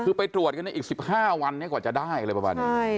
คือไปตรวจกันในอีก๑๕วันกว่าจะได้เลยประมาณนี้